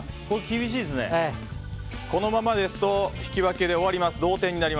このままですと同点引き分けで終わります。